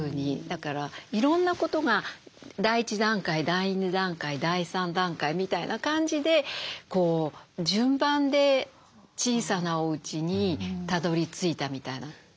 だからいろんなことが第１段階第２段階第３段階みたいな感じで順番で小さなおうちにたどりついたみたいな。